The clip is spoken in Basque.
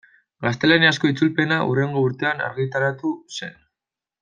Gaztelaniazko itzulpena hurrengo urtean argitaratu zen.